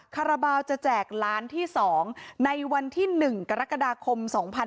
คาราบาลจะแจกล้านที่๒ในวันที่๑กรกฎาคม๒๕๖๒